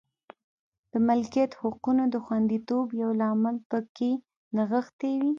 د ملکیت حقونو د خوندیتوب یو لامل په کې نغښتې وې.